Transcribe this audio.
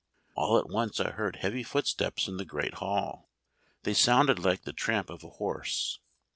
All at once I heard heavy footsteps in the great hall. They sounded like the tramp of a horse.